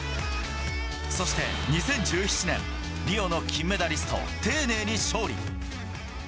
そして２０１７年、リオの金メダリスト、丁寧に勝利。